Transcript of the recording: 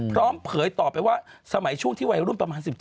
เผยต่อไปว่าสมัยช่วงที่วัยรุ่นประมาณ๑๗